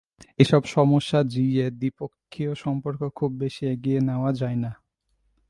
এসব সমস্যা জিইয়ে দ্বিপক্ষীয় সম্পর্ক খুব বেশি এগিয়ে নেওয়া যায় না।